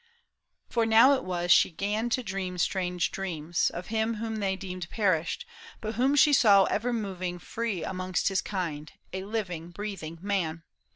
For now it was she 'gan to dream strange dreams Of him whom they deemed perished, but whom she Saw ever moving free amongst his kind, A living, breathing man.